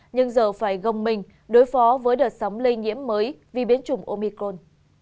nhưng giờ phải gồng mình đối phó với đợt sóng lây nhiễm mới vì biến chủng omicol